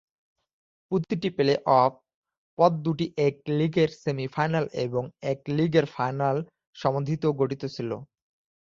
প্রতিটি প্লে-অফ পথ দুটি এক লেগের সেমি-ফাইনাল এবং এক লেগের ফাইনাল সমন্বিত গঠিত ছিল।